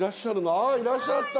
ああいらっしゃった。